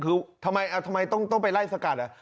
คือทำไมอ่ะทำไมต้องต้องไปไล่สกัดอ่ะ